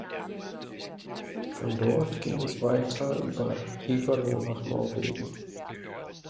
Von dort ging es weiter über Ivalo nach Norwegen.